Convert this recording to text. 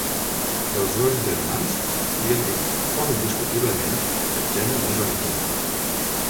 Dels dos germans, Friedrich fou indiscutiblement el geni més original.